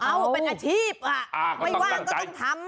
เอาเป็นอาชีพไม่ว่างก็ต้องทำ